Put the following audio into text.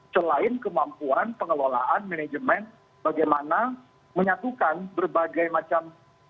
selain kemampuan pengelolaan manajemen bagaimana menyatukan berbagai macam